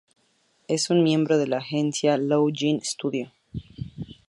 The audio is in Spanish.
Es miembro de la agencia "Luo Jin Studio".